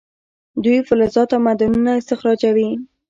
دوی فلزات او معدنونه استخراجوي.